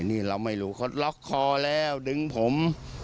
นี่เราไม่รู้เขาล็อกคอแล้วดึงผม